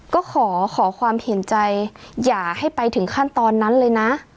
ก็ขอขอความเห็นใจอย่าให้ไปถึงขั้นตอนนั้นเลยนะ